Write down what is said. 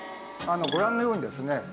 ご覧のようにですね